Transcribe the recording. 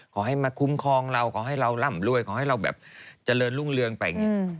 ขอให้มาคุ้มครองเราขอให้เราร่ำรวยขอให้เราแบบเจริญรุ่งเรืองไปอย่างนี้